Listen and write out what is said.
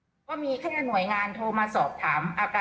หมู่ก็แค่อยากให้มาหรับน้องไปรักษาค่ะหน่อยใจมากครับ